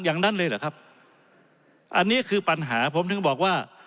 อย่างนั้นเลยเหรอครับอันนี้คือปัญหาผมถึงบอกว่า